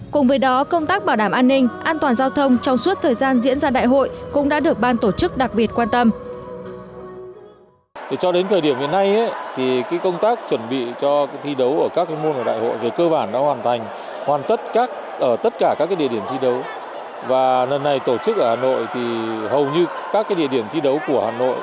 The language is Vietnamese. cùng với đó công tác bảo đảm an ninh an toàn giao thông trong suốt thời gian diễn ra đại hội